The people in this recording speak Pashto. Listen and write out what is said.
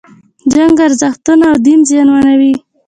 جنگ ارزښتونه او دین زیانمنوي.